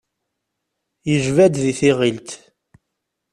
Yejba-d di tiɣilt.